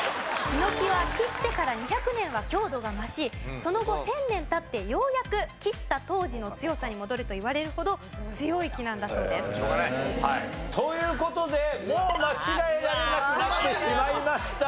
ヒノキは切ってから２００年は強度が増しその後１０００年経ってようやく切った当時の強さに戻るといわれるほど強い木なんだそうです。という事でもう間違えられなくなってしまいました。